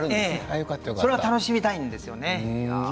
それは楽しみたいんですよね。